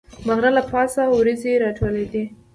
د غره له پاسه وریځې راټولېدې.